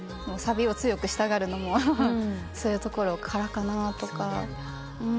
サビを強くしたがるのもそういうところからかなとか。